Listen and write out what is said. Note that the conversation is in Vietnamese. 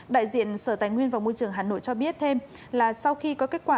đại diện sở tài nguyên và môi trường hà nội cho biết thêm là sau khi có kết quả